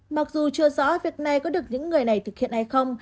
mặc dù chưa rõ việc này có được những người này thực hiện hay không